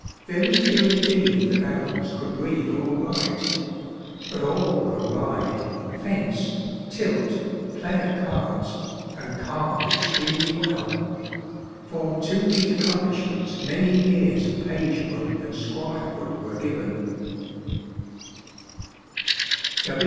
Very few indeed of the barons could read or write. But all could ride, fence, tilt, play at cards, and carve extremely well; for to these accomplishments many years of pagehood and squirehood were given.